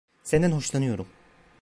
Senden hoşlanıyorum.